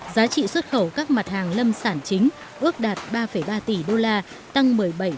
giá trị xuất khẩu các mặt hàng lâm sản chính ước đạt ba ba tỷ đô la tăng một mươi bảy